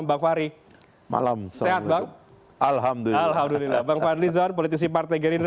bang fahri apa kabar